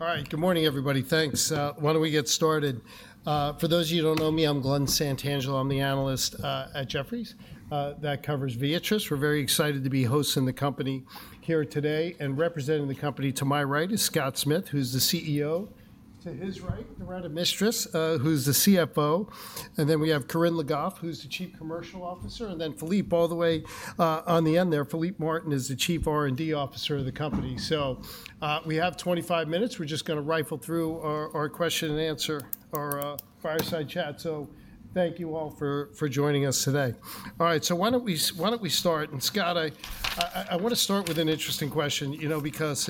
All right, good morning, everybody. Thanks. Why don't we get started? For those of you who don't know me, I'm Glenn Santangelo. I'm the analyst at Jefferies that covers Viatris. We're very excited to be hosting the company here today. And representing the company to my right is Scott Smith, who's the CEO. To his right, Doretta Mistras, who's the CFO. And then we have Corinne Le Goff, who's the Chief Commercial Officer. And then Philippe all the way on the end there. Philippe Martin is the Chief R&D Officer of the company. So we have 25 minutes. We're just going to rifle through our question and answer, our fireside chat. So thank you all for joining us today. All right, so why don't we start? And Scott, I want to start with an interesting question, you know, because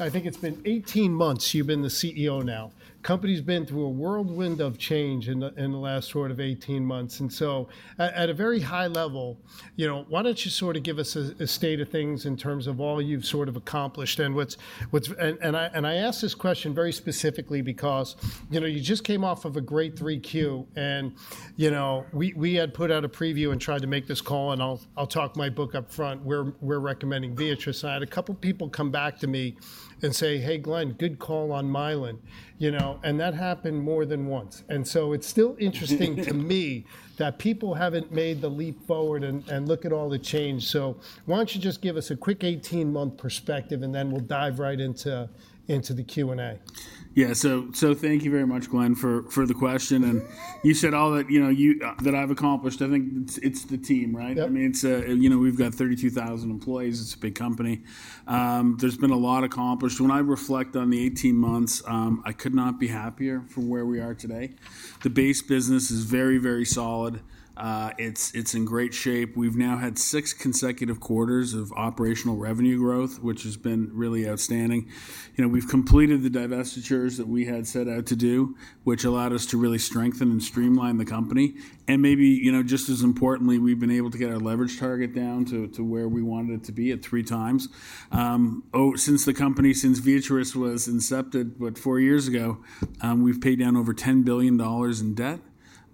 I think it's been 18 months you've been the CEO now. The company's been through a whirlwind of change in the last sort of 18 months, and so at a very high level, why don't you sort of give us a state of things in terms of all you've sort of accomplished and what's, and I ask this question very specifically because you just came off of a great 3Q. And we had put out a preview and tried to make this call, and I'll talk my book up front. We're recommending Viatris. I had a couple of people come back to me and say, "Hey, Glenn, good call on Mylan," and that happened more than once, and so it's still interesting to me that people haven't made the leap forward and look at all the change, so why don't you just give us a quick 18 month perspective, and then we'll dive right into the Q&A? Yeah, so thank you very much, Glenn, for the question. And you said all that I've accomplished. I think it's the team, right? I mean, we've got 32,000 employees. It's a big company. There's been a lot accomplished. When I reflect on the 18 months, I could not be happier for where we are today. The base business is very, very solid. It's in great shape. We've now had six consecutive quarters of operational revenue growth, which has been really outstanding. We've completed the divestitures that we had set out to do, which allowed us to really strengthen and streamline the company. And maybe just as importantly, we've been able to get our leverage target down to where we wanted it to be at three times. Since the company, since Viatris was incepted, what, four years ago, we've paid down over $10 billion in debt.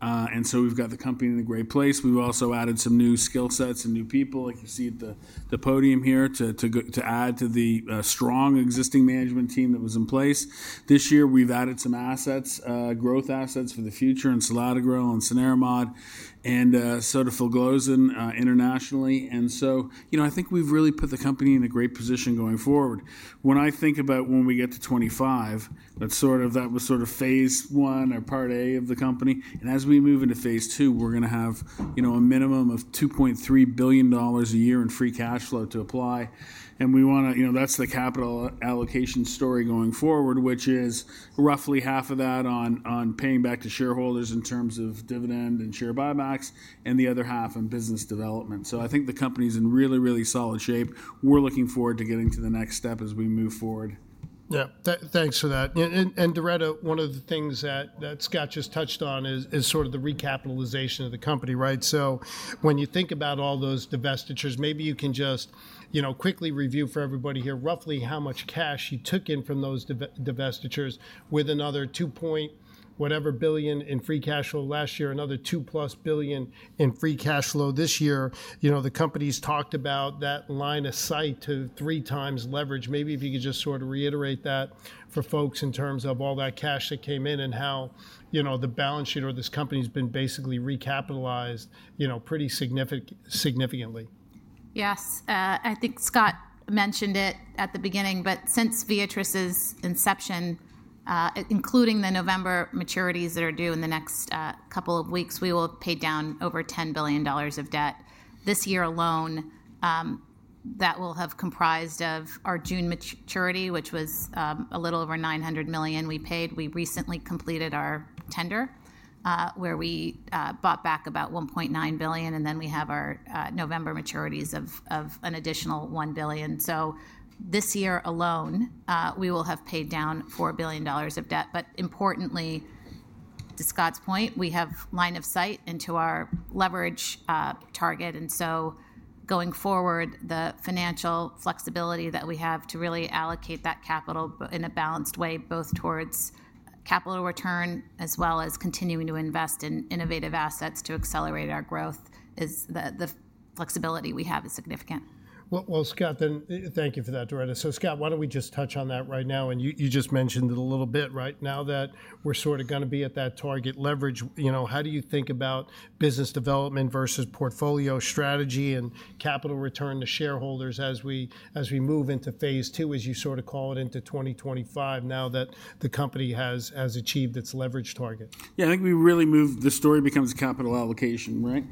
And so we've got the company in a great place. We've also added some new skill sets and new people, like you see at the podium here, to add to the strong existing management team that was in place. This year, we've added some assets, growth assets for the future in selatogrel and cenerimod and sotagliflozin internationally. And so I think we've really put the company in a great position going forward. When I think about when we get to 2025, that was sort of phase I or part A of the company. And as we move into phase II, we're going to have a minimum of $2.3 billion a year in free cash flow to apply. And that's the capital allocation story going forward, which is roughly half of that on paying back to shareholders in terms of dividend and share buybacks, and the other half on business development. So I think the company's in really, really solid shape. We're looking forward to getting to the next step as we move forward. Yeah, thanks for that. And Doretta, one of the things that Scott just touched on is sort of the recapitalization of the company, right? So when you think about all those divestitures, maybe you can just quickly review for everybody here roughly how much cash you took in from those divestitures with another $2 point whatever, billion in free cash flow last year, another $2+ billion in free cash flow this year. The company's talked about that line of sight to 3x leverage. Maybe if you could just sort of reiterate that for folks in terms of all that cash that came in and how the balance sheet or this company's been basically recapitalized pretty significantly. Yes, I think Scott mentioned it at the beginning, but since Viatris's inception, including the November maturities that are due in the next couple of weeks, we will have paid down over $10 billion of debt this year alone. That will have comprised of our June maturity, which was a little over $900 million we paid. We recently completed our tender where we bought back about $1.9 billion, and then we have our November maturities of an additional $1 billion. So this year alone, we will have paid down $4 billion of debt. But importantly, to Scott's point, we have line of sight into our leverage target. And so going forward, the financial flexibility that we have to really allocate that capital in a balanced way, both towards capital return as well as continuing to invest in innovative assets to accelerate our growth, the flexibility we have is significant. Well, Scott, thank you for that, Doretta. So Scott, why don't we just touch on that right now? And you just mentioned it a little bit right now that we're sort of going to be at that target leverage. How do you think about business development versus portfolio strategy and capital return to shareholders as we move into phase II, as you sort of call it, into 2025 now that the company has achieved its leverage target? Yeah, I think we really move the story becomes a capital allocation, right?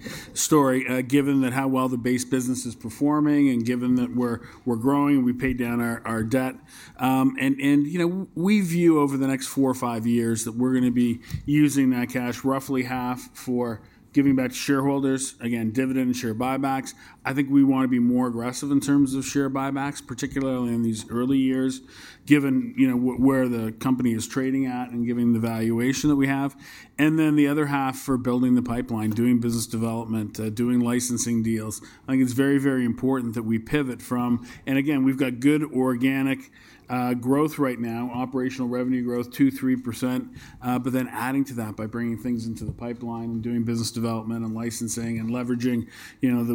Given how well the base business is performing and given that we're growing and we paid down our debt. And we view over the next four or five years that we're going to be using that cash roughly half for giving back to shareholders, again, dividend, share buybacks. I think we want to be more aggressive in terms of share buybacks, particularly in these early years, given where the company is trading at and giving the valuation that we have. And then the other half for building the pipeline, doing business development, doing licensing deals. I think it's very, very important that we pivot from, and again, we've got good organic growth right now, operational revenue growth, 2%, 3%, but then adding to that by bringing things into the pipeline and doing business development and licensing and leveraging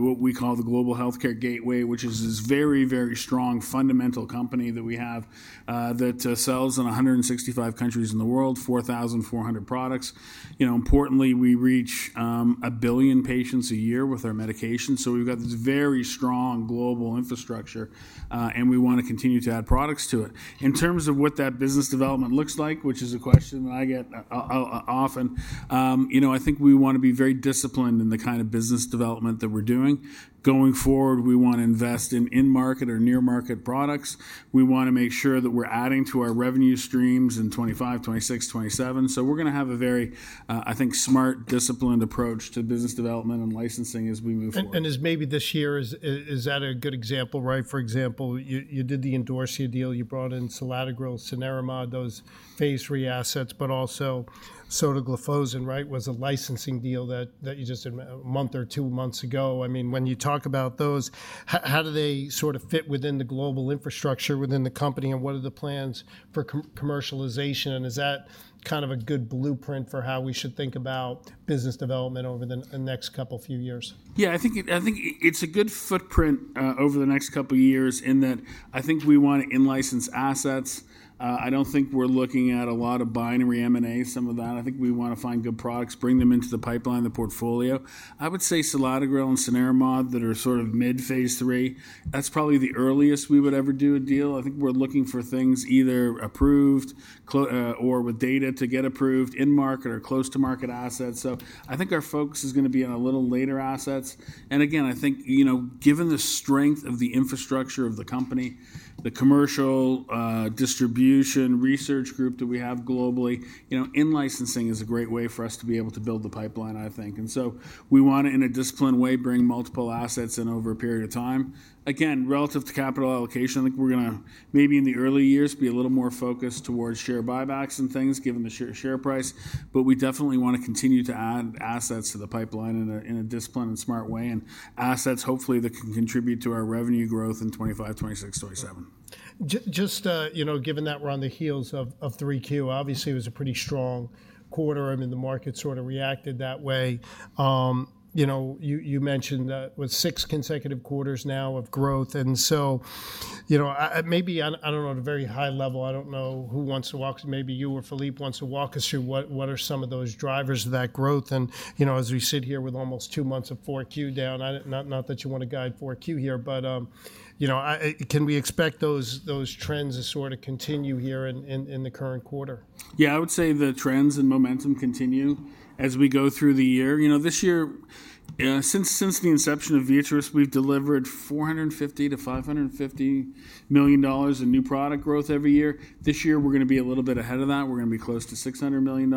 what we call the Global Healthcare Gateway, which is this very, very strong fundamental company that we have that sells in 165 countries in the world, 4,400 products. Importantly, we reach a billion patients a year with our medication. So we've got this very strong global infrastructure, and we want to continue to add products to it. In terms of what that business development looks like, which is a question that I get often, I think we want to be very disciplined in the kind of business development that we're doing. Going forward, we want to invest in in-market or near-market products. We want to make sure that we're adding to our revenue streams in 2025, 2026, 2027. So we're going to have a very, I think, smart, disciplined approach to business development and licensing as we move forward. And maybe this year is that a good example, right? For example, you did the Idorsia deal. You brought in selatogrel, cenerimod, those phase III assets, but also sotagliflozin, right, was a licensing deal that you just did a month or two months ago. I mean, when you talk about those, how do they sort of fit within the global infrastructure within the company and what are the plans for commercialization? And is that kind of a good blueprint for how we should think about business development over the next couple of few years? Yeah, I think it's a good footprint over the next couple of years in that I think we want to in-license assets. I don't think we're looking at a lot of binary M&A, some of that. I think we want to find good products, bring them into the pipeline, the portfolio. I would say selatogrel and cenerimod that are sort of mid-phase III, that's probably the earliest we would ever do a deal. I think we're looking for things either approved or with data to get approved, in-market or close to market assets. So I think our focus is going to be on a little later assets. And again, I think given the strength of the infrastructure of the company, the commercial distribution research group that we have globally, in-licensing is a great way for us to be able to build the pipeline, I think. And so we want to, in a disciplined way, bring multiple assets in over a period of time. Again, relative to capital allocation, I think we're going to maybe in the early years be a little more focused towards share buybacks and things given the share price. But we definitely want to continue to add assets to the pipeline in a disciplined and smart way and assets, hopefully, that can contribute to our revenue growth in 2025, 2026, 2027. Just given that we're on the heels of 3Q, obviously it was a pretty strong quarter. I mean, the market sort of reacted that way. You mentioned that with six consecutive quarters now of growth. And so maybe, I don't know, at a very high level, I don't know who wants to walk us, maybe you or Philippe wants to walk us through what are some of those drivers of that growth. And as we sit here with almost two months of 4Q down, not that you want to guide 4Q here, but can we expect those trends to sort of continue here in the current quarter? Yeah, I would say the trends and momentum continue as we go through the year. This year, since the inception of Viatris, we've delivered $450 million-$550 million in new product growth every year. This year, we're going to be a little bit ahead of that. We're going to be close to $600 million.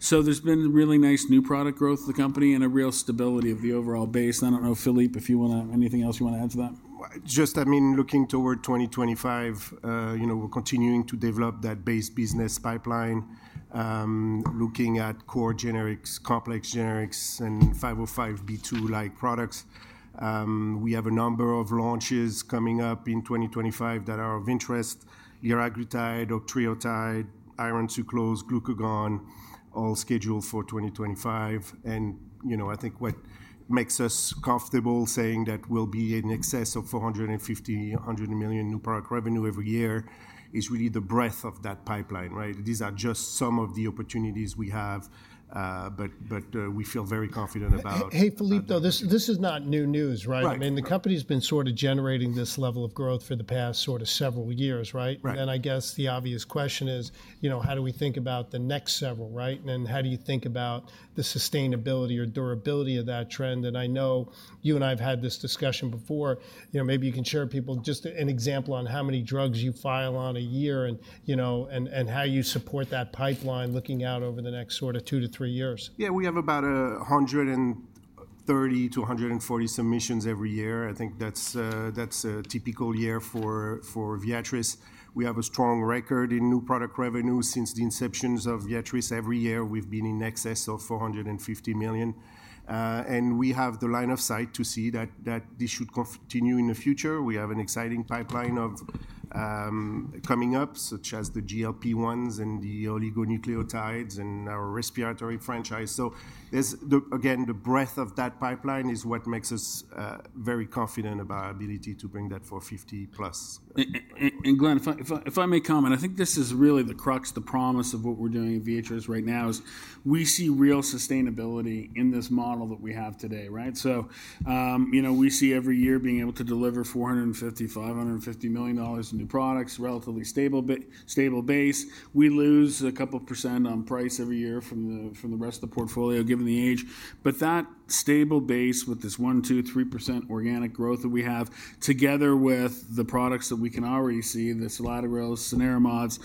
So there's been really nice new product growth of the company and a real stability of the overall base. I don't know, Philippe, if you want to add anything else you want to add to that. Just, I mean, looking toward 2025, we're continuing to develop that base business pipeline, looking at core generics, complex generics, and 505(b)(2)-like products. We have a number of launches coming up in 2025 that are of interest: liraglutide, octreotide, iron sucrose, glucagon, all scheduled for 2025, and I think what makes us comfortable saying that we'll be in excess of $450 million, $100 million in new product revenue every year is really the breadth of that pipeline, right? These are just some of the opportunities we have, but we feel very confident about. Hey, Philippe, though, this is not new news, right? I mean, the company's been sort of generating this level of growth for the past sort of several years, right? And I guess the obvious question is, how do we think about the next several, right? And then how do you think about the sustainability or durability of that trend? And I know you and I have had this discussion before. Maybe you can share with people just an example on how many drugs you file on a year and how you support that pipeline looking out over the next sort of two to three years. Yeah, we have about 130-140 submissions every year. I think that's a typical year for Viatris. We have a strong record in new product revenue since the inceptions of Viatris. Every year, we've been in excess of $450 million. And we have the line of sight to see that this should continue in the future. We have an exciting pipeline coming up, such as the GLP-1s and the oligonucleotides and our respiratory franchise. So again, the breadth of that pipeline is what makes us very confident about our ability to bring that 450+. Glenn, if I may comment, I think this is really the crux, the promise of what we're doing at Viatris right now is we see real sustainability in this model that we have today, right? So we see every year being able to deliver $450 million-$550 million in new products, relatively stable base. We lose a couple percent on price every year from the rest of the portfolio given the age. But that stable base with this 1%, 2%, 3% organic growth that we have, together with the products that we can already see, the selatogrel, cenerimod,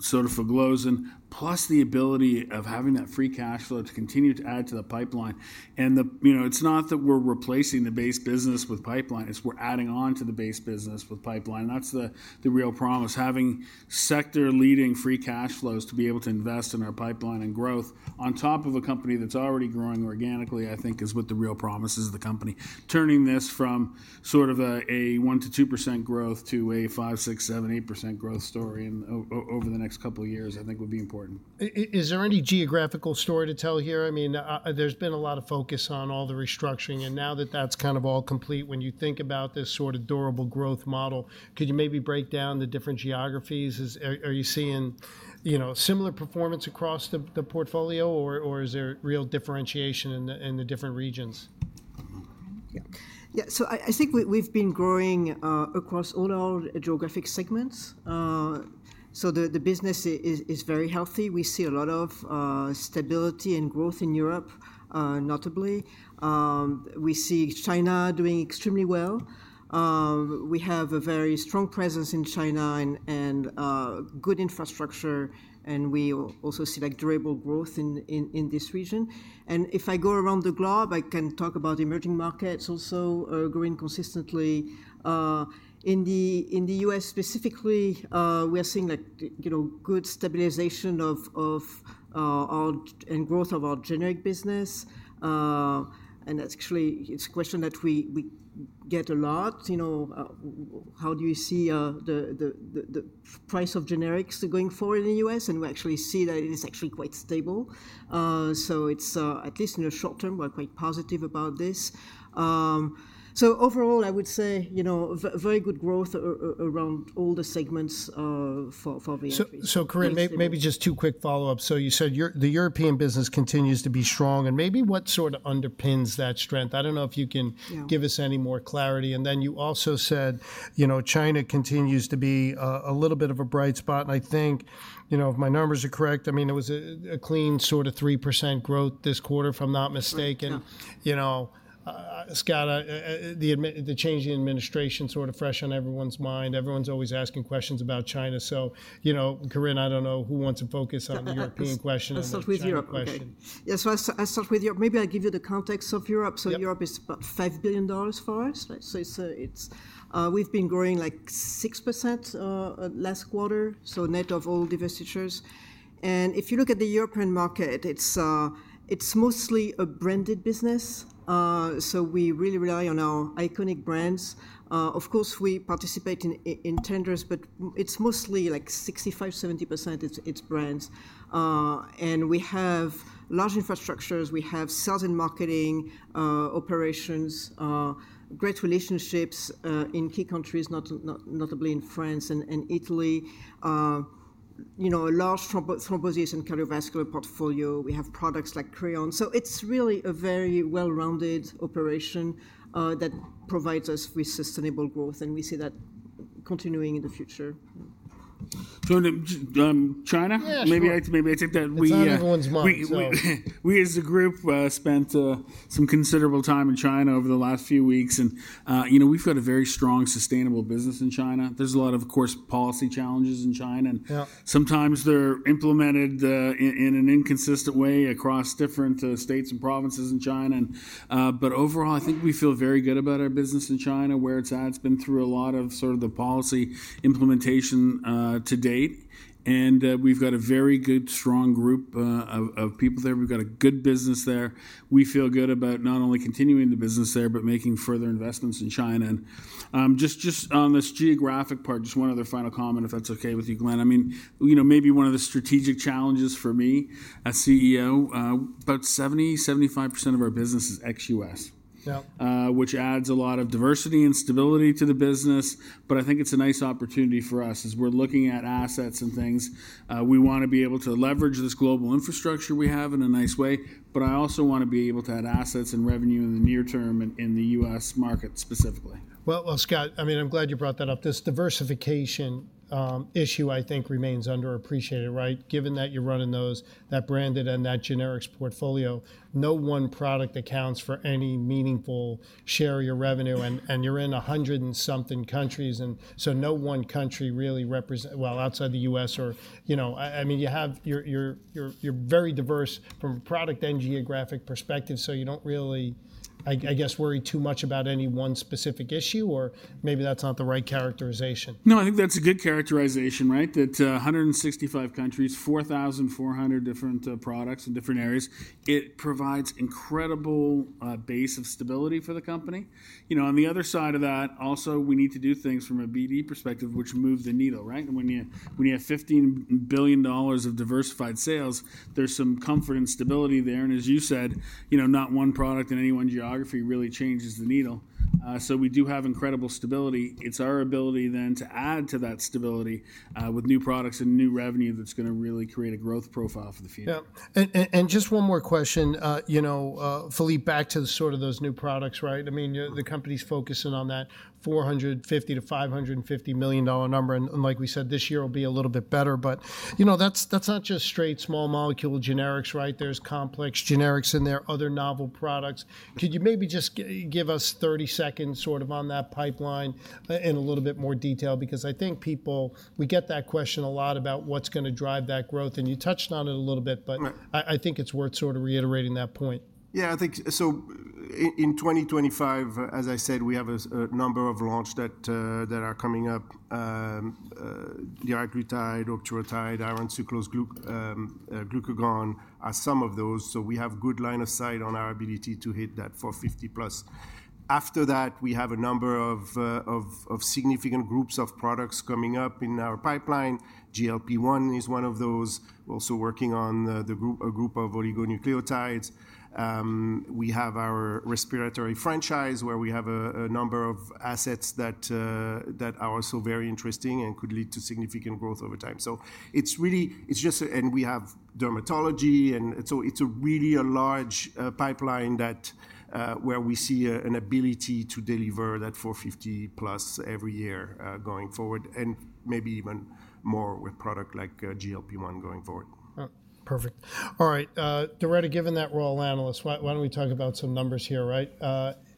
sotagliflozin, plus the ability of having that free cash flow to continue to add to the pipeline. And it's not that we're replacing the base business with pipeline. It's we're adding on to the base business with pipeline. And that's the real promise. Having sector-leading free cash flows to be able to invest in our pipeline and growth on top of a company that's already growing organically, I think, is what the real promise is of the company. Turning this from sort of a 1%-2% growth to a 5%, 6%, 7%, 8% growth story over the next couple of years, I think, would be important. Is there any geographical story to tell here? I mean, there's been a lot of focus on all the restructuring. And now that that's kind of all complete, when you think about this sort of durable growth model, could you maybe break down the different geographies? Are you seeing similar performance across the portfolio, or is there real differentiation in the different regions? Yeah, so I think we've been growing across all our geographic segments. So the business is very healthy. We see a lot of stability and growth in Europe, notably. We see China doing extremely well. We have a very strong presence in China and good infrastructure. And we also see durable growth in this region. And if I go around the globe, I can talk about emerging markets also growing consistently. In the U.S. specifically, we are seeing good stabilization and growth of our generic business. And actually, it's a question that we get a lot. How do you see the price of generics going forward in the U.S.? And we actually see that it is actually quite stable. So at least in the short term, we're quite positive about this. So overall, I would say very good growth around all the segments for Viatris. So Corinne, maybe just two quick follow-ups. So you said the European business continues to be strong. And maybe what sort of underpins that strength? I don't know if you can give us any more clarity. And then you also said China continues to be a little bit of a bright spot. And I think if my numbers are correct, I mean, it was a clean sort of 3% growth this quarter, if I'm not mistaken. Scott, the change in administration is sort of fresh on everyone's mind. Everyone's always asking questions about China. So Corinne, I don't know who wants to focus on the European question. I'll start with Europe. Yeah, so I'll start with Europe. Maybe I'll give you the context of Europe. So Europe is about $5 billion for us. We've been growing like 6% last quarter, so net of all divestitures. And if you look at the European market, it's mostly a branded business. So we really rely on our iconic brands. Of course, we participate in tenders, but it's mostly like 65%, 70% is brands. And we have large infrastructures. We have sales and marketing operations, great relationships in key countries, notably in France and Italy, a large thrombosis and cardiovascular portfolio. We have products like Creon. So it's really a very well-rounded operation that provides us with sustainable growth. And we see that continuing in the future. Corinne, China? Maybe I take that. That's everyone's mind. We as a group spent some considerable time in China over the last few weeks. And we've got a very strong sustainable business in China. There's a lot of, of course, policy challenges in China. And sometimes they're implemented in an inconsistent way across different states and provinces in China. But overall, I think we feel very good about our business in China where it's at. It's been through a lot of sort of the policy implementation to date. And we've got a very good, strong group of people there. We've got a good business there. We feel good about not only continuing the business there, but making further investments in China. And just on this geographic part, just one other final comment, if that's okay with you, Glenn. I mean, maybe one of the strategic challenges for me as CEO, about 70%, 75% of our business is ex-U.S., which adds a lot of diversity and stability to the business. But I think it's a nice opportunity for us as we're looking at assets and things. We want to be able to leverage this global infrastructure we have in a nice way. But I also want to be able to add assets and revenue in the near term in the U.S. market specifically. Well, Scott, I mean, I'm glad you brought that up. This diversification issue, I think, remains underappreciated, right? Given that you're running that branded and that generics portfolio, no one product accounts for any meaningful share of your revenue. And you're in 100-and-something countries. And so no one country really represents, well, outside the U.S. or, I mean, you're very diverse from a product and geographic perspective. So you don't really, I guess, worry too much about any one specific issue, or maybe that's not the right characterization. No, I think that's a good characterization, right? That 165 countries, 4,400 different products in different areas. It provides an incredible base of stability for the company. On the other side of that, also, we need to do things from a BD perspective, which moves the needle, right? When you have $15 billion of diversified sales, there's some comfort and stability there. And as you said, not one product in any one geography really changes the needle. So we do have incredible stability. It's our ability then to add to that stability with new products and new revenue that's going to really create a growth profile for the future. Yeah. And just one more question, Philippe, back to sort of those new products, right? I mean, the company's focusing on that $450 million-$550 million number. And like we said, this year will be a little bit better. But that's not just straight small molecule generics, right? There's complex generics in there, other novel products. Could you maybe just give us 30 seconds sort of on that pipeline in a little bit more detail? Because I think people, we get that question a lot about what's going to drive that growth. And you touched on it a little bit, but I think it's worth sort of reiterating that point. Yeah, I think so in 2025, as I said, we have a number of launches that are coming up. The liraglutide, octreotide, iron sucrose, glucagon are some of those. So we have a good line of sight on our ability to hit that 450+. After that, we have a number of significant groups of products coming up in our pipeline. GLP-1 is one of those. We're also working on a group of oligonucleotides. We have our respiratory franchise where we have a number of assets that are also very interesting and could lead to significant growth over time. So it's really, it's just, and we have dermatology. And so it's really a large pipeline where we see an ability to deliver that 450+ every year going forward, and maybe even more with product like GLP-1 going forward. Perfect. All right, Doretta, given that role of analyst, why don't we talk about some numbers here, right,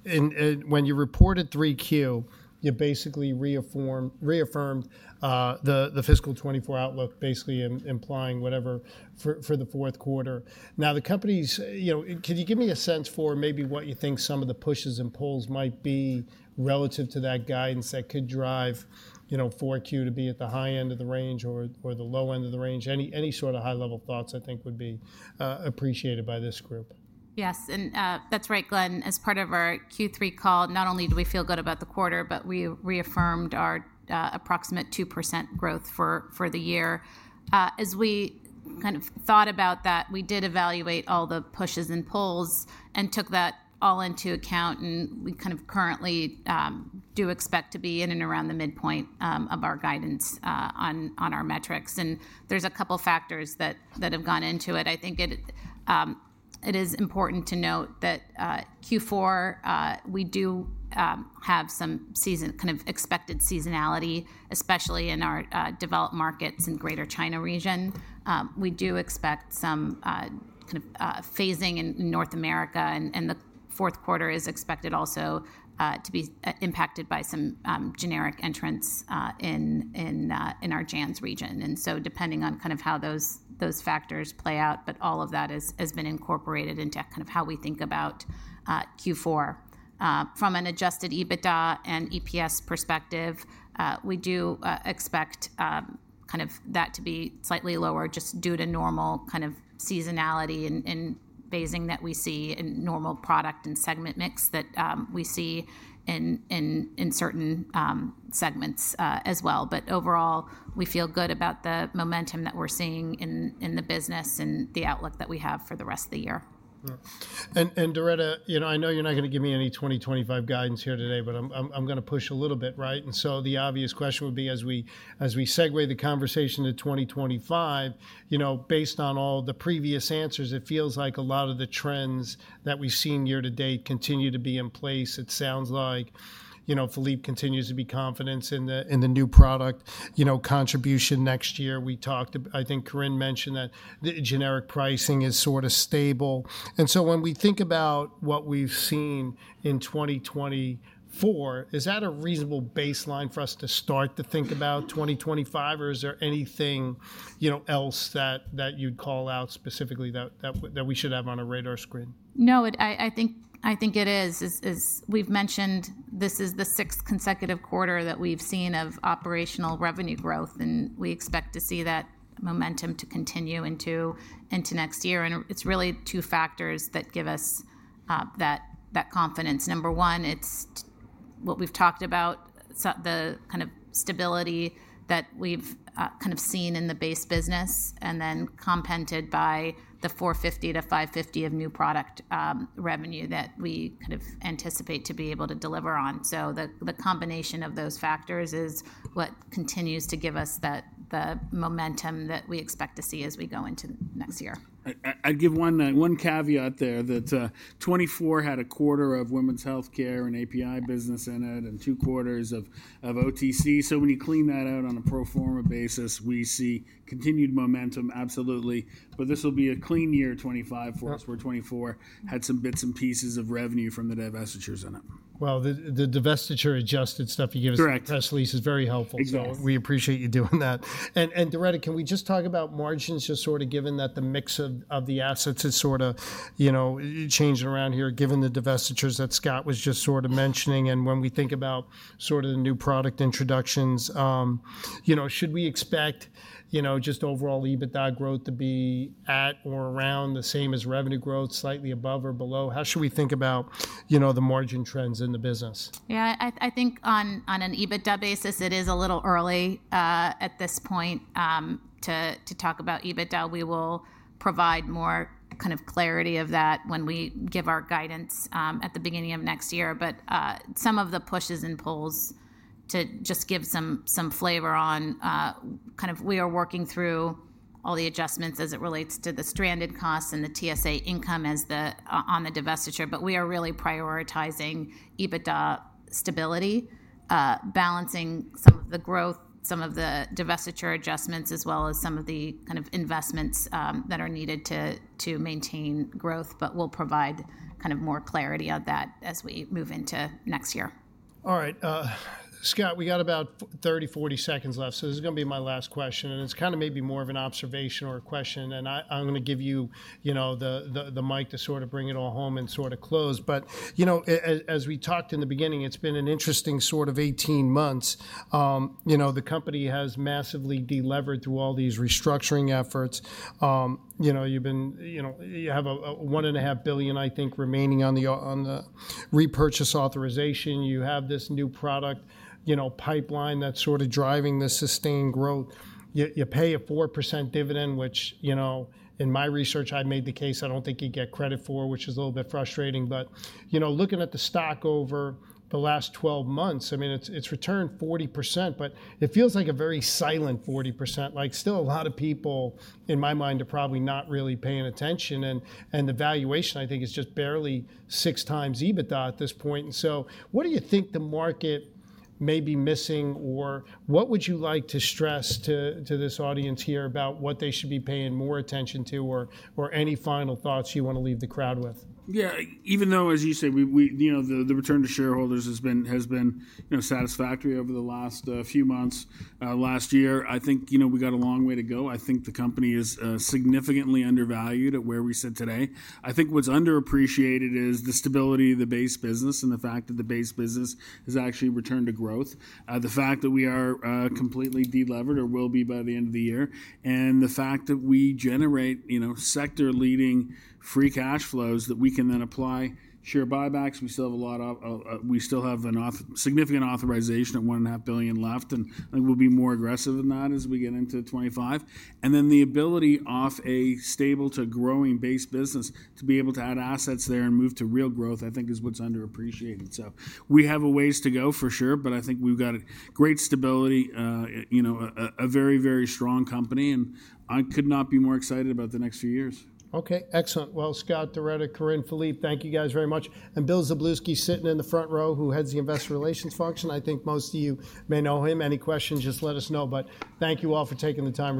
and when you reported 3Q, you basically reaffirmed the fiscal 2024 outlook, basically implying whatever for the fourth quarter. Now, the companies, could you give me a sense for maybe what you think some of the pushes and pulls might be relative to that guidance that could drive 4Q to be at the high end of the range or the low end of the range? Any sort of high-level thoughts, I think, would be appreciated by this group. Yes. And that's right, Glenn. As part of our Q3 call, not only did we feel good about the quarter, but we reaffirmed our approximate 2% growth for the year. As we kind of thought about that, we did evaluate all the pushes and pulls and took that all into account. And we kind of currently do expect to be in and around the midpoint of our guidance on our metrics. And there's a couple of factors that have gone into it. I think it is important to note that Q4, we do have some kind of expected seasonality, especially in our developed markets and greater China region. We do expect some kind of phasing in North America. And the fourth quarter is expected also to be impacted by some generic entrants in our JANZ region. Depending on kind of how those factors play out, but all of that has been incorporated into kind of how we think about Q4. From an adjusted EBITDA and EPS perspective, we do expect kind of that to be slightly lower just due to normal kind of seasonality and phasing that we see in normal product and segment mix that we see in certain segments as well. Overall, we feel good about the momentum that we're seeing in the business and the outlook that we have for the rest of the year. Doretta, I know you're not going to give me any 2025 guidance here today, but I'm going to push a little bit, right? So the obvious question would be, as we segue the conversation to 2025, based on all the previous answers, it feels like a lot of the trends that we've seen year to date continue to be in place. It sounds like Philippe continues to be confident in the new product contribution next year. I think Corinne mentioned that the generic pricing is sort of stable. So when we think about what we've seen in 2024, is that a reasonable baseline for us to start to think about 2025? Or is there anything else that you'd call out specifically that we should have on our radar screen? No, I think it is. We've mentioned this is the sixth consecutive quarter that we've seen of operational revenue growth. And we expect to see that momentum to continue into next year. And it's really two factors that give us that confidence. Number one, it's what we've talked about, the kind of stability that we've kind of seen in the base business, and then compounded by the 450-550 of new product revenue that we kind of anticipate to be able to deliver on. So the combination of those factors is what continues to give us the momentum that we expect to see as we go into next year. I'd give one caveat there that 2024 had a quarter of women's healthcare and API business in it and two quarters of OTC. So when you clean that out on a pro forma basis, we see continued momentum, absolutely. But this will be a clean year 2025 for us where 2024 had some bits and pieces of revenue from the divestitures in it. The divestiture adjusted stuff you give us, is actually, is very helpful. We appreciate you doing that. Doretta, can we just talk about margins just sort of given that the mix of the assets is sort of changing around here, given the divestitures that Scott was just sort of mentioning? When we think about sort of the new product introductions, should we expect just overall EBITDA growth to be at or around the same as revenue growth, slightly above or below? How should we think about the margin trends in the business? Yeah, I think on an EBITDA basis, it is a little early at this point to talk about EBITDA. We will provide more kind of clarity of that when we give our guidance at the beginning of next year. But some of the pushes and pulls to just give some flavor on kind of we are working through all the adjustments as it relates to the stranded costs and the TSA income on the divestiture. But we are really prioritizing EBITDA stability, balancing some of the growth, some of the divestiture adjustments, as well as some of the kind of investments that are needed to maintain growth. But we'll provide kind of more clarity on that as we move into next year. All right. Scott, we got about 30, 40 seconds left. So this is going to be my last question. And it's kind of maybe more of an observation or a question. And I'm going to give you the mic to sort of bring it all home and sort of close. But as we talked in the beginning, it's been an interesting sort of 18 months. The company has massively delivered through all these restructuring efforts. You have a $1.5 billion, I think, remaining on the repurchase authorization. You have this new product pipeline that's sort of driving the sustained growth. You pay a 4% dividend, which in my research, I made the case I don't think you get credit for, which is a little bit frustrating. But looking at the stock over the last 12 months, I mean, it's returned 40%, but it feels like a very silent 40%. Like still a lot of people, in my mind, are probably not really paying attention. And the valuation, I think, is just barely 6x EBITDA at this point. And so what do you think the market may be missing? Or what would you like to stress to this audience here about what they should be paying more attention to? Or any final thoughts you want to leave the crowd with? Yeah, even though, as you say, the return to shareholders has been satisfactory over the last few months, last year, I think we got a long way to go. I think the company is significantly undervalued at where we sit today. I think what's underappreciated is the stability of the base business and the fact that the base business has actually returned to growth, the fact that we are completely delivered or will be by the end of the year, and the fact that we generate sector-leading free cash flows that we can then apply share buybacks. We still have a significant authorization at $1.5 billion left. And I think we'll be more aggressive than that as we get into 2025. And then the ability of a stable-to-growing base business to be able to add assets there and move to real growth, I think, is what's underappreciated. So we have a ways to go for sure. But I think we've got great stability, a very, very strong company. And I could not be more excited about the next few years. Okay, excellent. Well, Scott, Doretta, Corinne, Philippe, thank you guys very much. And Bill Szablewski sitting in the front row, who heads the investor relations function. I think most of you may know him. Any questions, just let us know. But thank you all for taking the time.